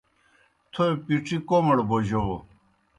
تھوئے پِڇِی کوْمَڑ بوجَو۔